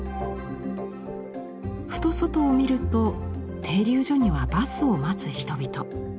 ふと外を見ると停留所にはバスを待つ人々。